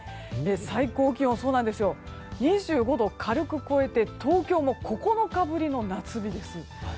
最高気温、２５度を軽く超えて東京も９日ぶりの夏日です。